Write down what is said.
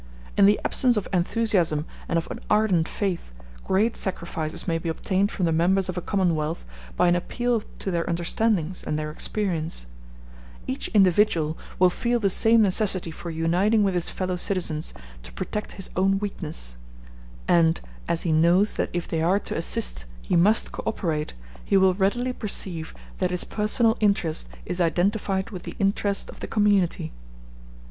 In the absence of enthusiasm and of an ardent faith, great sacrifices may be obtained from the members of a commonwealth by an appeal to their understandings and their experience; each individual will feel the same necessity for uniting with his fellow citizens to protect his own weakness; and as he knows that if they are to assist he must co operate, he will readily perceive that his personal interest is identified with the interest of the community.